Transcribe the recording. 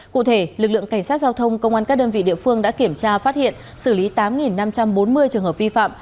cụ thể lực lượng cảnh sát giao thông công an các đơn vị địa phương đã kiểm tra phát hiện xử lý tám năm trăm bốn mươi trường hợp vi phạm